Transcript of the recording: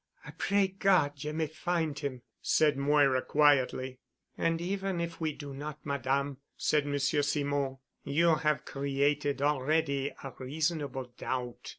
"I pray God you may find him," said Moira quietly. "And even if we do not, Madame," said Monsieur Simon, "you have created already a reasonable doubt."